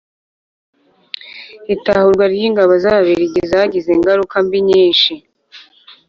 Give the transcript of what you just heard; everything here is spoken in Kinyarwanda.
itahurwa ry'ingabo z'ababiligi zagize ingaruka mbi nyinshi.